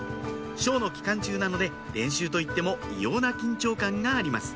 ショーの期間中なので練習といっても異様な緊張感があります